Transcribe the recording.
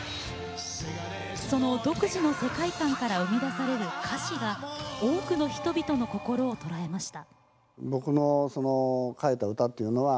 その独自の世界観から生み出される歌詞が多くの人々の心を捉えました。